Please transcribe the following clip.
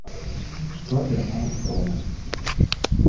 Што атрымалася ў нас?